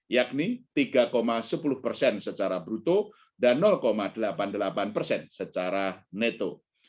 yakni tiga sepuluh persen secara bruto dan delapan puluh delapan persen secara neto